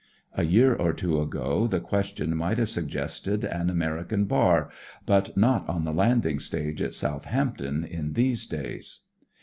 A year or two ago the ques tion might have suggested an American bar, but not on the landing stage at Southampton in these days.